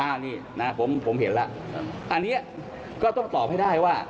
อันนี้นะผมผมเห็นแล้วอันนี้ก็ต้องตอบให้ได้ว่า